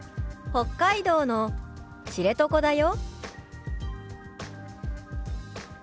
「北海道の知床だよ」。